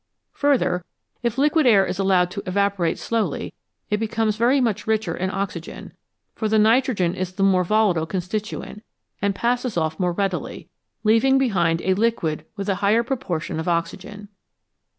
Further, if liquid air is allowed to evaporate slowly, it becomes very much richer in oxygen, for the nitrogen is the more volatile constituent, and passes off more readily, leaving behind a liquid with a higher proportion of oxygen.